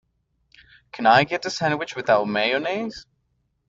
Can I get the sandwich without mayonnaise?